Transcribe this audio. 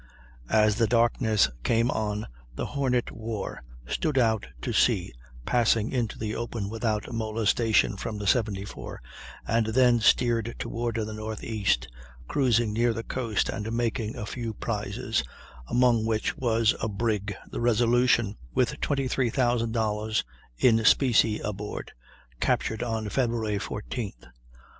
As the darkness came on the Hornet wore, stood out to sea, passing into the open without molestation from the 74, and then steered toward the northeast, cruising near the coast, and making a few prizes, among which was a brig, the Resolution, with $23,000 in specie aboard, captured on February 14th.